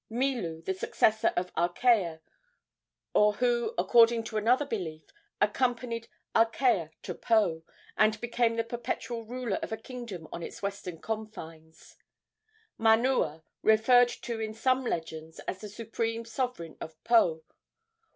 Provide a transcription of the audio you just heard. Milu, the successor of Akea, or who, according to another belief, accompanied Akea to Po, and became the perpetual ruler of a kingdom on its western confines. Manua, referred to in some legends as the supreme sovereign of Po.